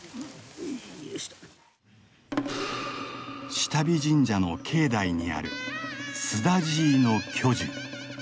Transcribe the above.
志多備神社の境内にあるスダジイの巨樹。